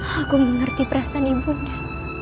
aku mengerti perasaan ibunya